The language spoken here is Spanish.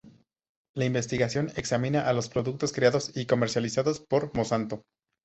La investigación examina a los productos creados y comercializados por Monsanto.